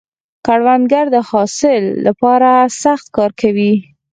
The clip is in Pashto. کروندګر د حاصل له پاره سخت کار کوي